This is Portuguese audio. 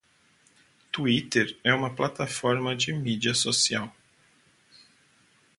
Twitter é uma plataforma de mídia social.